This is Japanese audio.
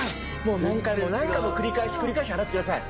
何回も何回も繰り返し洗ってください。